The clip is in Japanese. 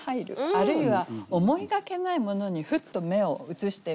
あるいは思いがけないものにふっと目を移してみる。